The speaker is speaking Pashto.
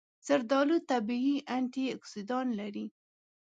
زردآلو طبیعي انټياکسیدان لري.